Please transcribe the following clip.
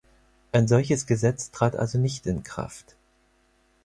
Ein solches Gesetz trat also nicht in Kraft.